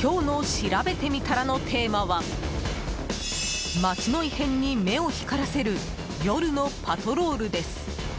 今日のしらべてみたらのテーマは街の異変に目を光らせる夜のパトロールです。